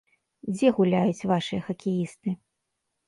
Дзе гуляюць вашыя хакеісты?